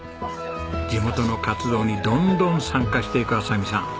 地元の活動にどんどん参加していく亜沙美さん。